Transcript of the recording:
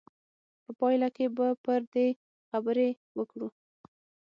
په پایله کې به پر دې خبرې وکړو.